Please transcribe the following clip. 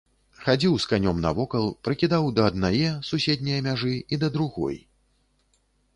Хадзіў з канём навокал, прыкідаў да аднае, суседняе мяжы і да другой.